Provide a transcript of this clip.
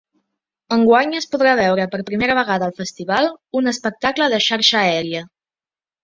Enguany es podrà veure per primera vegada al festival un espectacle de xarxa aèria.